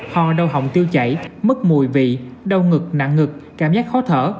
ho đau hỏng tiêu chảy mất mùi vị đau ngực nặng ngực cảm giác khó thở